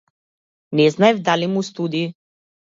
Не знаев дали му студи.